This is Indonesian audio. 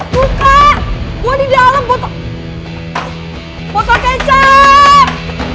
buka gua di dalam botol kecap